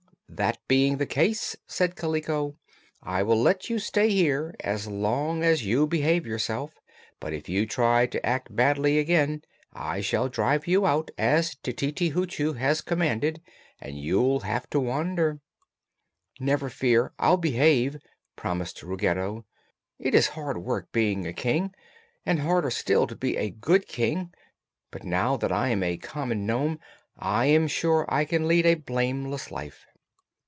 "That being the case," said Kaliko, "I will let you stay here as long as you behave yourself; but, if you try to act badly again, I shall drive you out, as Tititi Hoochoo has commanded, and you'll have to wander." "Never fear. I'll behave," promised Ruggedo. "It is hard work being a King, and harder still to be a good King. But now that I am a common nome I am sure I can lead a blameless life."